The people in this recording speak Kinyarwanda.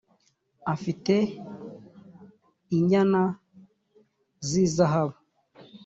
afite inyana z’ izahabu.